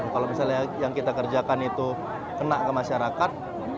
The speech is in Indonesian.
kalau misalnya yang kita kerjakan itu kena ke masyarakat